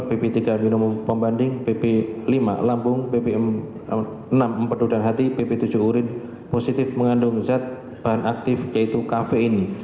bp tiga minuman pembanding bp lima lambung bp enam memperduhkan hati bp tujuh urin positif mengandung zat bahan aktif yaitu kafein